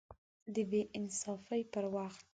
د بې انصافۍ پر وخت